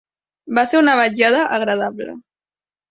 Va ser una vetllada agradable.